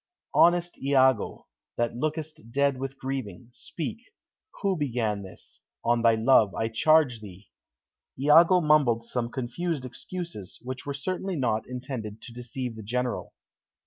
"Honest Iago, that lookest dead with grieving, speak: who began this? On thy love, I charge thee." Iago mumbled some confused excuses, which were certainly not intended to deceive the General.